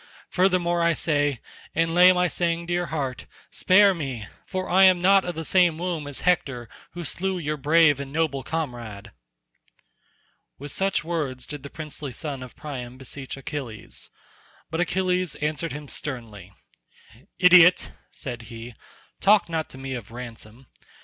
Furthermore I say, and lay my saying to your heart, spare me, for I am not of the same womb as Hector who slew your brave and noble comrade." With such words did the princely son of Priam beseech Achilles; but Achilles answered him sternly. "Idiot," said he, "talk not to me of ransom.